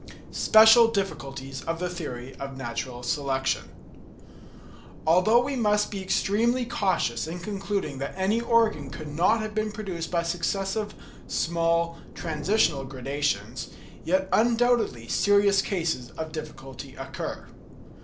Special Diffculties of the Theory of Natural Selection. Although we must be extremely cautious in concluding that any organ could not have been produced by successive, small, transitional gradations, yet undoubtedly serious cases of difficulty occur.